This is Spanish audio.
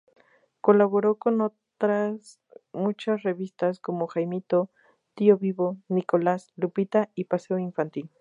Colaboró con otras muchas revistas, como "Jaimito", "Tío Vivo", "Nicolás", "Lupita" y "Paseo Infantil".